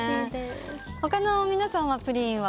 他の皆さんはプリンは。